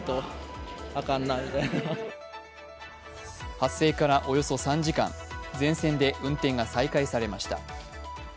発生からおよそ３時間、全線で運転が再開されました。